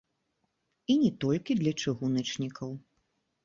І не толькі для чыгуначнікаў.